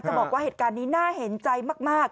บอกว่าเหตุการณ์นี้น่าเห็นใจมาก